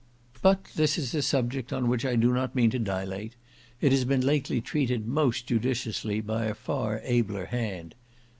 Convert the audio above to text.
But this is a subject on which I do not mean to dilate; it has been lately treated most judiciously by a far abler hand.